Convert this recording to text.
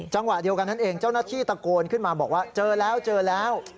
จังหวะเดียวกันนั่นเองเจ้าหน้าที่ตะโกนขึ้นมาบอกว่าเจอแล้วเจอแล้ว